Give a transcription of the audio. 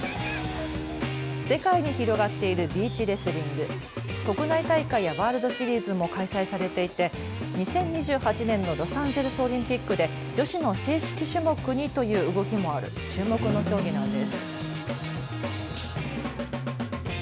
世界に広がっているビーチレスリング、国内大会やワールドシリーズも開催されていて２０２８年のロサンゼルスオリンピックで女子の正式種目にという動きもある注目の競技なんです。